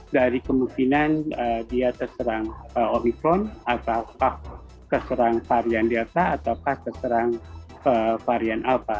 dari kemungkinan dia terserang omikron atau terserang varian delta ataukah terserang varian alpha